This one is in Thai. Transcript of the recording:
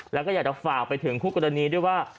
แล้วก็อยากจะฝากไปถึงคู่กรณีด้วยว่า